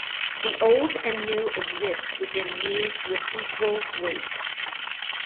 The old and new exist within me with equal weight.